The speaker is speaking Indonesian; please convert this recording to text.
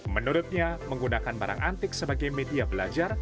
menurutnya menggunakan barang antik sebagai media belajar